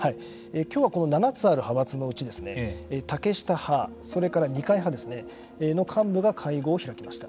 きょうはこの７つある派閥のうち竹下派、それから二階派の幹部が会合を開きました。